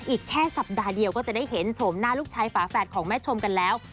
อีกแค่สัปดาห์เดียวก็จะได้เห็นโฉมหน้าลูกชายฝาแฝดของแม่ชมกันแล้ว